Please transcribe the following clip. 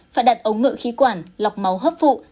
phải đặt ống ngựa khí quản lọc máu hấp phụ